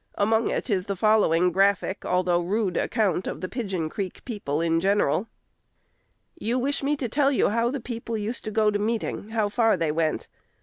Among it is the following graphic, although rude, account of the Pigeon Creek people in general: "You wish me to tell you how the people used to go to meeting, how far they went.